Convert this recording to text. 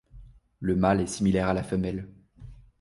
Le mâle est similaire à la femelle.